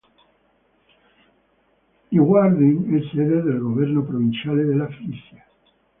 Leeuwarden è sede del governo provinciale della Frisia.